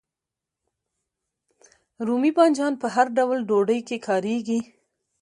رومي بانجان په هر ډول ډوډۍ کې کاریږي.